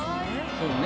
そうね。